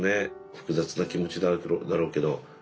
複雑な気持ちだろうけどねえ